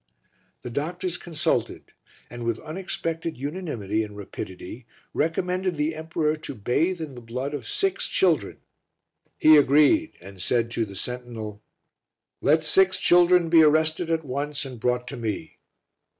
The doctors consulted, and with unexpected unanimity and rapidity recommended the emperor to bathe in the blood of six children. He agreed, and said to the sentinel "Let six children be arrested at once and brought to me."